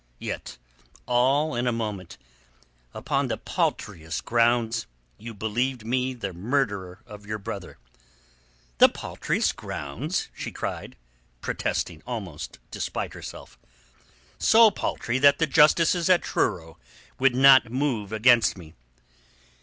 Yet, all in a moment, upon the paltriest grounds, you believed me the murderer of your brother." "The paltriest grounds?" she cried, protesting almost despite herself "So paltry that the justices at Truro would not move against me."